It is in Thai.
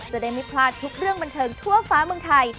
จะได้ไม่พลาดทุกเรื่องบันเทิงทั่วฟ้าเมืองไทย